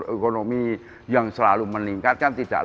ekonomi yang selalu meningkat kan tidak